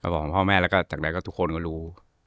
บอกพ่อแม่แล้วก็จากไหนก็ทุกคนก็รู้